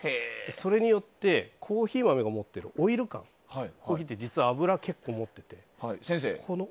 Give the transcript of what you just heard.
それによってコーヒー豆が持っているオイル感コーヒーって実は油を結構持っているので。